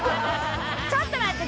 ちょっと待って！